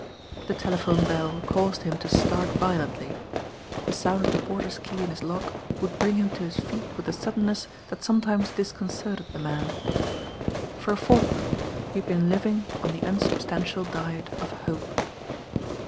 The telephone bell cauted him to ttart violently, the tound of the DR. TALUS PRESCRIBES porter's key m his lock would bring him to his feet with a suddenneM that sometimes disconcerted the man. For a fortnight he had been living on the unsubstantial diet of hope.